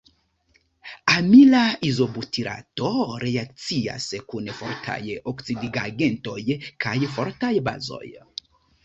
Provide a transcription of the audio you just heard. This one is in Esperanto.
Amila izobutirato reakcias kun fortaj oksidigagentoj kaj fortaj bazoj.